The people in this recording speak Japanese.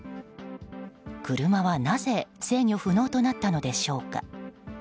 車は、なぜ制御不能となったのでしょうか。